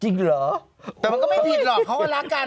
จริงเหรอโอ้โฮแต่มันก็ไม่ผิดหรอกเขาก็รักกัน